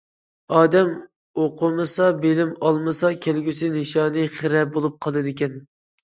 ئادەم ئوقۇمىسا، بىلىم ئالمىسا، كەلگۈسى نىشانى خىرە بولۇپ قالىدىكەن.